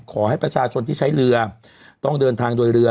ขอให้ประชาชนที่ใช้เรือต้องเดินทางโดยเรือ